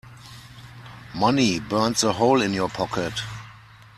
Money burns a hole in your pocket.